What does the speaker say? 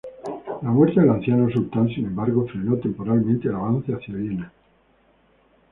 La muerte del anciano sultán, sin embargo, frenó temporalmente el avance hacia Viena.